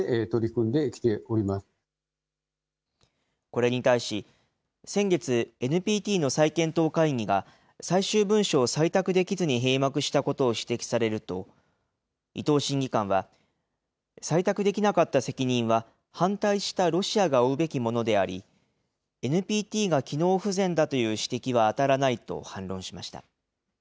これに対し、先月、ＮＰＴの再検討会議が、最終文書を採択できずに閉幕したことを指摘されると、伊藤審議官は、採択できなかった責任は反対したロシアが負うべきものであり、ＮＰＴが機能不全だという指摘は当たらないと反論しました。